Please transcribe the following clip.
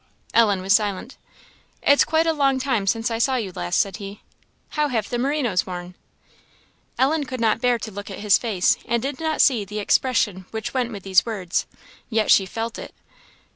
Ellen was silent. "It's quite a long time since I saw you last," said he "how have the merinoes worn?" Ellen could not bear to look at his face, and did not see the expression which went with these words; yet she felt it.